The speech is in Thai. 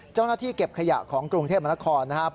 เจ้าหน้าที่เก็บขยะของกรุงเทพฯมนาคอร์น